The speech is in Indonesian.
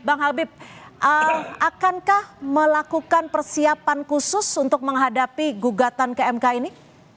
bang habib akankah melakukan persiapan khusus untuk menghadapi gugatan ke mk ini